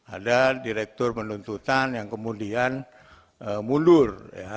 ada direktur penuntutan yang kemudian mundur